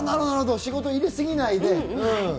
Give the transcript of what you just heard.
仕事、入れすぎないでね。